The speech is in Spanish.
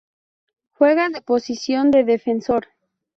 Juega de posición de defensor.